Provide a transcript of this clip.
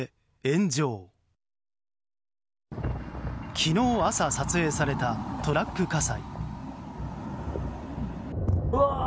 昨日朝、撮影されたトラック火災。